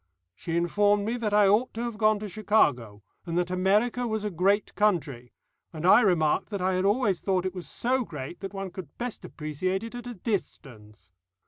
She informed me that I ought to have gone to Chicago, and that America was a great country, and I remarked that I had always thought it was so great that one could best appreciate it at a distance.